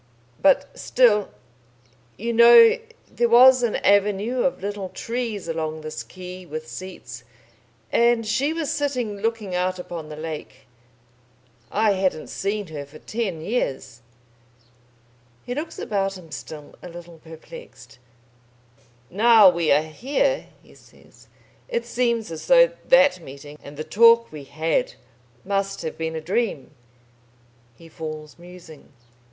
But still You know, there was an avenue of little trees along this quay with seats, and she was sitting looking out upon the lake.... I hadn't seen her for ten years." He looks about him still a little perplexed. "Now we are here," he says, "it seems as though that meeting and the talk we had must have been a dream." He falls musing.